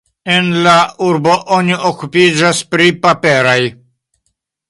En la urbo oni okupiĝas pri paperoj.